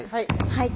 はい。